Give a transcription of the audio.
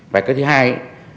và thứ hai